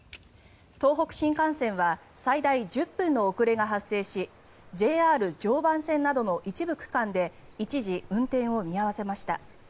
東北新幹線は最大１０分の遅れが発生しＪＲ常磐線などの一部区間で一時、運転を見合わせました。